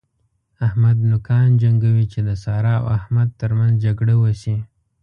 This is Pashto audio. احمد نوکان جنګوي چې د سارا او احمد تر منځ جګړه وشي.